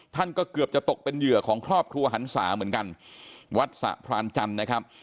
ท่านก็เกือบจะตกเป็นเหยื่อของครอบครัวหันศาเหมือนกันวัดสะพรานจันทร์นะครับ